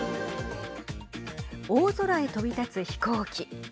大空へ飛び立つ飛行機。